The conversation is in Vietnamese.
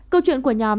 câu chuyện của nhóm